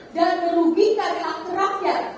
dan merugikan reaksi rakyat